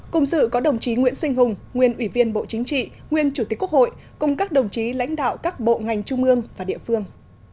cùng sự có đồng chí nguyễn sinh hùng nguyên ủy viên bộ chính trị nguyên chủ tịch quốc hội cùng các đồng chí lãnh đạo các bộ ngành trung ương và địa phương